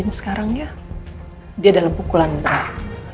andi sekarang ya dia dalam pukulan benar